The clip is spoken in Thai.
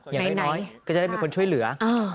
อย่างน้อยก็จะได้มีคนช่วยเหลือ